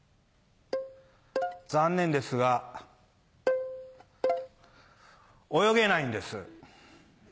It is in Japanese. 残念ですが泳げないんです。